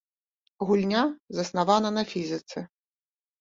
Гульня заснавана на фізіцы.